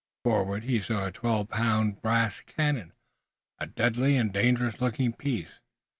Forward he saw a twelve pound brass cannon, a deadly and dangerous looking piece.